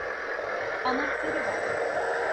Anahtarı ver!